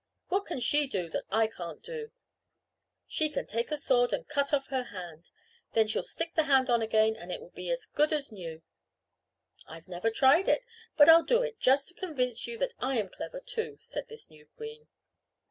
"What can she do that I can't do?" "She can take a sword and cut off her hand. Then she'll stick the hand on again and it will be as good as new." "I've never tried it, but I'll do it just to convince you that I am clever too," said this new queen.